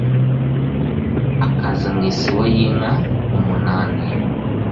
akaza mw isibo y inká umunani